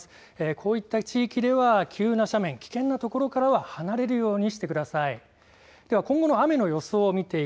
こういった地域では急な斜面、危険なところからは離れるようにしてください。